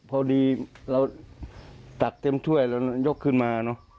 พอดีเราตักเต็มถ้วยแล้วยกขึ้นมา